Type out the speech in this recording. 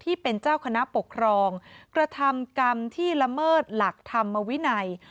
ที่เป็นเจ้าคณะปกครองกระทำกรรมที่ละเมิดหลักธรรมวินัย